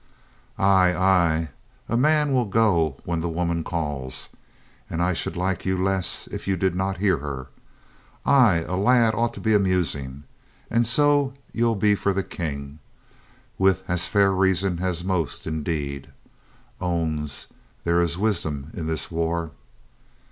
"Ay, ay; a man will go when the woman calls. And I should like you less if you did not hear her. ... Ay, a lad ought to be amusing. ... And so you'll be for the King. With as fair reason as most, indeed. ... Oons, there is wisdom in this war.